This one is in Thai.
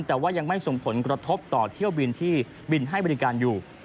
แต่ว่ายังไม่ส่งผลกระทบต่อเที่ยวบินที่บินให้บริการอยู่